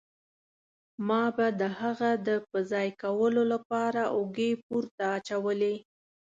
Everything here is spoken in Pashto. ما به د هغه د په ځای کولو له پاره اوږې پورته اچولې.